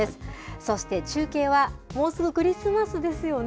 そして中継は、もうすぐクリスマスですよね。